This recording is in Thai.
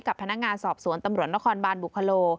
กับพนักงานสอบสวนตำรวจนครบานบุคโล